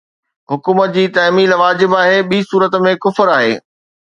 حڪم جي تعميل واجب آهي، ٻي صورت ۾ ڪفر آهي